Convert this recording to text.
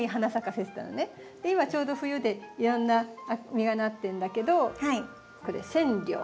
今ちょうど冬でいろんな実がなってるんだけどこれセンリョウ。